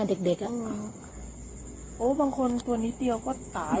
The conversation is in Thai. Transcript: นี่มันคัดกฎกัดขนวะก็เลย